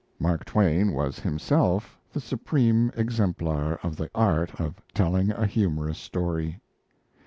Mark Twain was himself the supreme exemplar of the art of telling a humorous story.